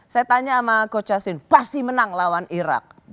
saya tanya sama coach justin pasti menang lawan irak